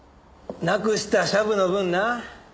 なくしたシャブの分な